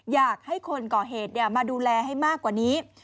อยากให้คนก่อเหตุมาดูแลให้มากกว่านี้